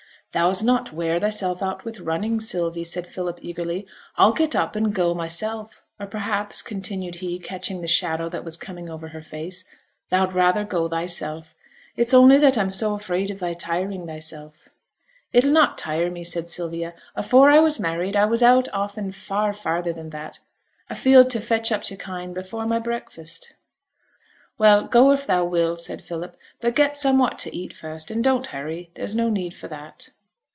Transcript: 'Thou's not wear thyself out with running, Sylvie,' said Philip, eagerly; 'I'll get up and go myself, or, perhaps,' continued he, catching the shadow that was coming over her face, 'thou'd rather go thyself: it's only that I'm so afraid of thy tiring thyself.' 'It'll not tire me,' said Sylvia. 'Afore I was married, I was out often far farther than that, afield to fetch up t' kine, before my breakfast.' 'Well, go if thou will,' said Philip. 'But get somewhat to eat first, and don't hurry; there's no need for that.'